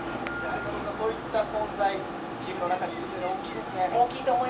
そういった存在がチームの中にいるというのは大きいですね。